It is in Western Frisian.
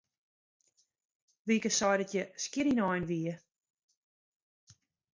Wieke sei dat hja skjin ynein wie.